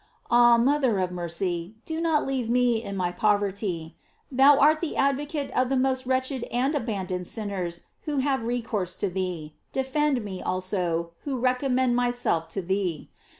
Ah mother of mercy, do not leave me in my pover iy. Thou art the advocate of the most wretched and abandoned sinners who have recourse to thee, defend me also, who recommend myself to thee.